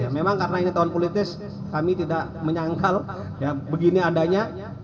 memang karena ini tahun politis kami tidak menyangkal begini adanya